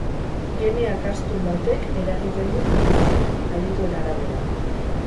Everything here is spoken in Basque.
Gene akastun batek eragiten du minbizia, adituen arabera.